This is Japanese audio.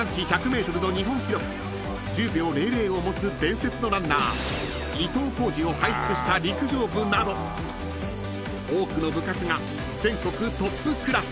［を持つ伝説のランナー伊東浩司を輩出した陸上部など多くの部活が全国トップクラス］